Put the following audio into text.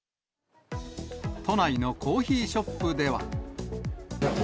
都内のコーヒーショップでは。